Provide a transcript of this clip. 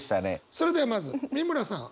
それではまず美村さん。